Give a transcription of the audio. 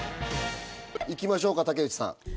いきましょうか竹内さん